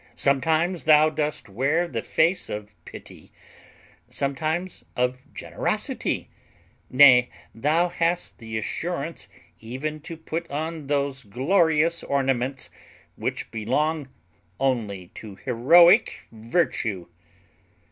Sometimes thou dost wear the face of pity, sometimes of generosity: nay, thou hast the assurance even to put on those glorious ornaments which belong only to heroic virtue.